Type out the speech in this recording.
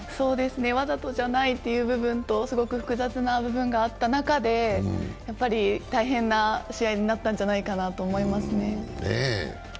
わざとじゃないという部分と、すごく複雑な部分があった中で大変な試合になったんじゃないかなと思いますね。